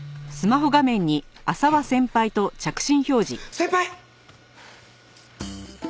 先輩！